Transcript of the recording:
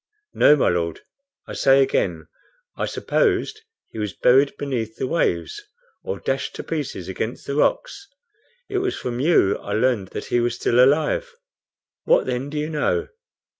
"No, my Lord. I say again, I supposed he was buried beneath the waves, or dashed to pieces against the rocks. It was from you I learned that he was still alive." "What then do you know?"